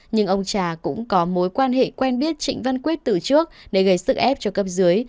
nhưng ông trà cũng có mối quan hệ quen biết trịnh văn quyết từ trước để gây sức ép cho cấp dưới